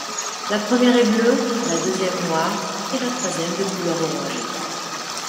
La première est bleue, la deuxième noire, et la troisième de couleur orangée.